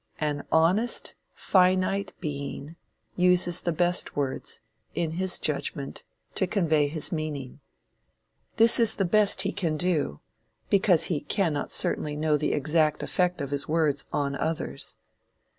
An honest finite being uses the best words, in his judgment, to convey his meaning. This is the best he can do, because he cannot certainly know the exact effect of his words on others.